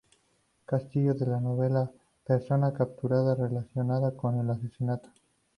Castillo es la novena persona capturada relacionada con el asesinato.